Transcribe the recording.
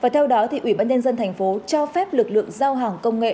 theo đó ubnd tp hcm cho phép lực lượng giao hàng công nghệ